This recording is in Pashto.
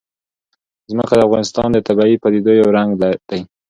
ځمکه د افغانستان د طبیعي پدیدو یو رنګ دی.